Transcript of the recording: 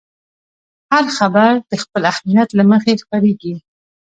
هر خبر د خپل اهمیت له مخې خپرېږي.